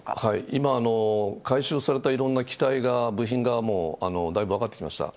今、回収されたいろんな機体が、部品がもう、だいぶ分かってきました。